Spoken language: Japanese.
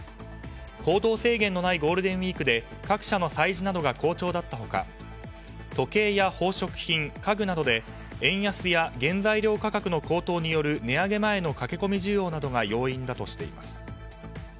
行動制限のないゴールデンウィークで各社の催事などが好調だった他時計や宝飾品、家具などで円安や原材料価格の高騰による値上げ前の駆け込み需要などが要因だとしています。